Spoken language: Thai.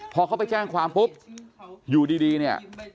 พอเขาไปแจ้งความปุ๊บอยู่ดีเนี่ย